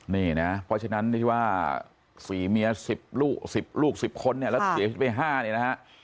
นี่นะครับเพราะฉะนั้นที่ว่าฝีเมีย๑๐ลูก๑๐คนแล้วเสียชีวิตไป๕เนี่ยนะครับ